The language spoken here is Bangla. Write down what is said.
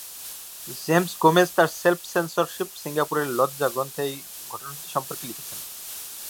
জেমস গোমেজ তার "সেলফ-সেন্সরশিপ: সিঙ্গাপুরের লজ্জা" গ্রন্থে এই ঘটনাটি সম্পর্কে লিখেছেন।